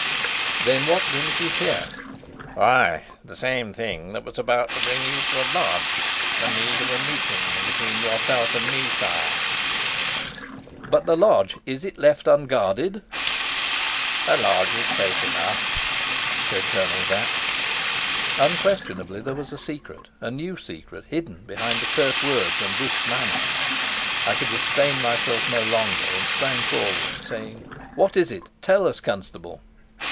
"Then what brings you here?" "Why, the same thing that was about to bring you to the lodge: the need of a meeting between yourself and me, sire." "But the lodge is it left unguarded?" "The lodge is safe enough," said Colonel Sapt. Unquestionably there was a secret, a new secret, hidden behind the curt words and brusque manner. I could restrain myself no longer, and sprang forward, saying: "What is it? Tell us, Constable!"